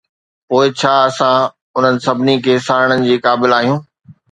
پوء ڇا اسان انهن سڀني کي ساڙڻ جي قابل آهيون؟